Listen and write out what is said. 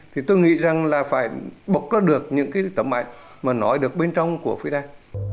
thì tôi nghĩ rằng là phải bốc ra được những cái tấm ảnh mà nói được bên trong của fidel